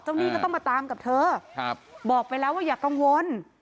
หนี้ก็ต้องมาตามกับเธอบอกไปแล้วว่าอย่ากังวล